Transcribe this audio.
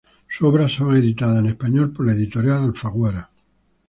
Sus obras son editadas en español por la editorial Alfaguara.